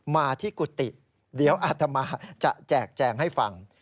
มาที่กุฏิเดี๋ยวอาตมาจะแจกแจงให้ฟัง